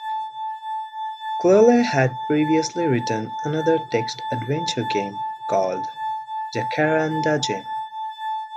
Cluley had previously written another text adventure game called Jacaranda Jim.